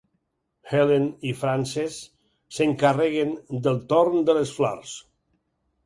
Helen i Frances s'encarreguen del torn de les flors